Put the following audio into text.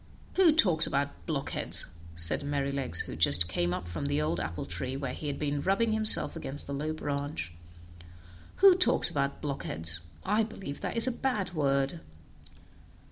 "Who talks about blockheads?" said Merrylegs, who just came up from the old apple tree, where he had been rubbing himself against the low branch. "Who talks about blockheads? I believe that is a bad word."